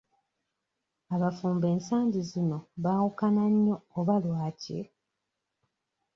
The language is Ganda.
Abafumbo ensangi zino baawukana nnyo oba lwaki?